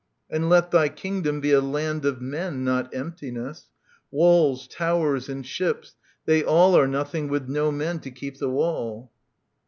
And let thy kingdom be a land of men. Not emptiness. Walls, towers, and ships, they all Arc nothing with no men to keep the wall.